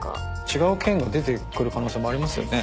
違う県が出てくる可能性もありますよね。